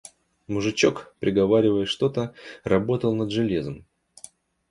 Мужичок, приговаривая что-то, работал над железом.